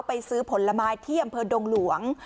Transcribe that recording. ไปซื้อผลไม้เที่ยมเพื่อดงหลวง